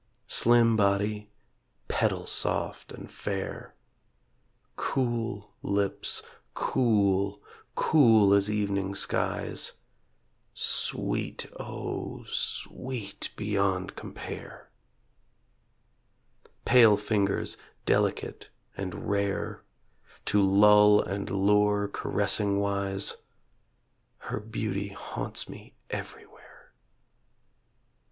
Slim body, petal soft and fair, Cool lips, cool, cool as evening skies Sweet, O sweet beyond compare. Pale fingers delicate and rare, To lull and lure caressing wise; Her beauty haunts me everywhere.